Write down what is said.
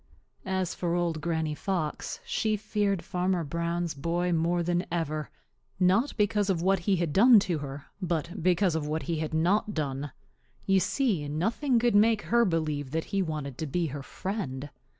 As for Old Granny Fox, she feared Farmer Brown's boy more than ever, not because of what he had done to her but because of what he had not done. You see, nothing could make her believe that he wanted to be her friend.